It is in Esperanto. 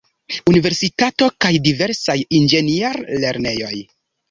Universitato kaj diversaj inĝenier-lernejoj.